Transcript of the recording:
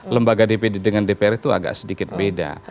lembaga dpd dengan dpr itu agak sedikit beda